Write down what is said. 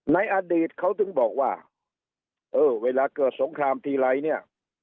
ในอดีตเขาถึงบอกว่าเออเวลาเกิดสงครามทีไรเนี่ย